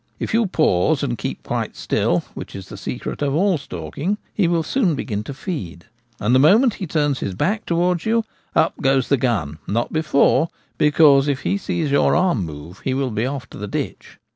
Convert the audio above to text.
If you pause and keep quite still, which is the secret of all stalking, he will soon begin to feed, and the moment he turns his back towards you up goes the gun ; not before, because if he sees your arm move he will be off to the ditch.